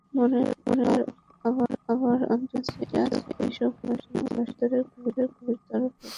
মনের আবার অন্তর্দৃষ্টি আছে, এই শক্তিবলে মানুষ নিজ অন্তরের গভীরতম প্রদেশ দেখিতে পারে।